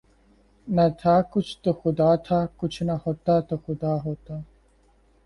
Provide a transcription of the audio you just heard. نہ تھا کچھ تو خدا تھا، کچھ نہ ہوتا تو خدا ہوتا